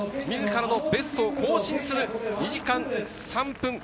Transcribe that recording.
自らがベストを更新する２時間３分。